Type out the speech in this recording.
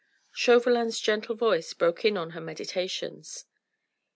Chauvelin's gentle voice broke in on her meditations.